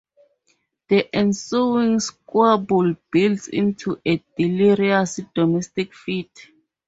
The ensuing squabble builds into a delirious domestic fit.